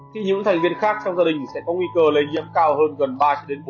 thì những thành viên khác trong gia đình sẽ có nguy cơ lây nhiễm cao hơn gần một